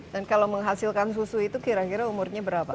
dan kalau menghasilkan susu itu kira kira umurnya berapa